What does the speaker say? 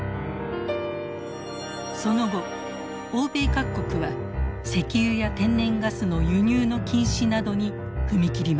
その後欧米各国は石油や天然ガスの輸入の禁止などに踏み切りました。